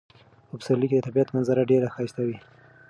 په پسرلي کې د طبیعت منظره ډیره ښایسته وي.